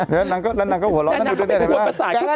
แล้วนางก็หัวเราะนางก็เป็นกวนประสาทเขาต่อ